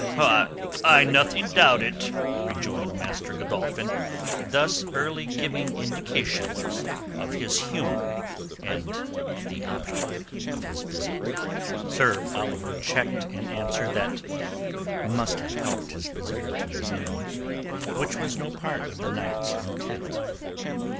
"I nothing doubt it," rejoined Master Godolphin, thus early giving indications of his humour and the object of his visit. Sir Oliver checked an answer that must have helped his visitor to his ends, which was no part of the knight's intent.